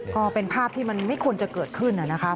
ก็เป็นภาพที่มันไม่ควรจะเกิดขึ้นนะครับ